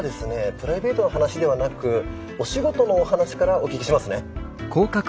プライベートの話ではなくお仕事のお話からお聞きしますね。